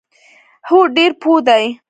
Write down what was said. هو، ډیر پوه دي